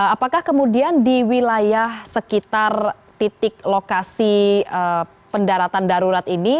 apakah kemudian di wilayah sekitar titik lokasi pendaratan darurat ini